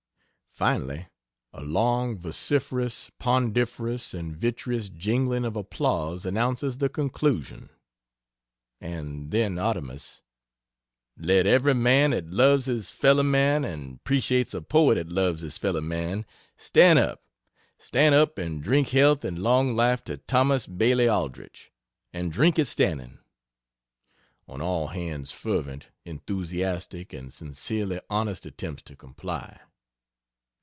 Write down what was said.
Finally, a long, vociferous, poundiferous and vitreous jingling of applause announces the conclusion, and then Artemus: "Let every man 'at loves his fellow man and 'preciates a poet 'at loves his fellow man, stan' up! Stan' up and drink health and long life to Thomas Bailey Aldrich! and drink it stanning!" (On all hands fervent, enthusiastic, and sincerely honest attempts to comply.)